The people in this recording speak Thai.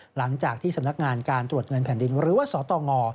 หลังจากที่สำนักงานการตรวจเงินแผ่นดินหรือว่าสตง